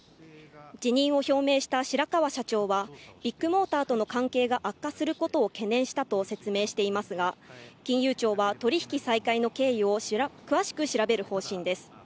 辞任を表明した白川社長は、ビッグモーターとの関係が悪化することを懸念したと説明していますが金融庁は取り引き再開の経緯を詳しく調べる方針です。